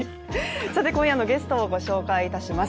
今夜のゲストをご紹介します。